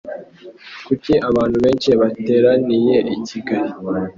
Kuki abantu benshi bateraniye i kigali